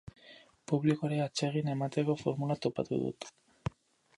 Publikoari atsegin emateko formula topatu dut.